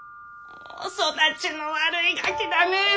育ちの悪いガキだね。